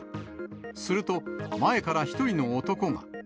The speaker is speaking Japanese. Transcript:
すると、前から１人の男が。